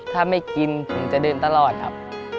ถ้าไม่กินผมจะเดินตลอดครับ